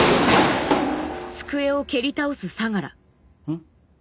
ん？